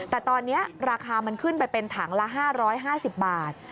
แต่ตอนนี้ราคามันขึ้นไปเป็นถังละ๕๕๐บาท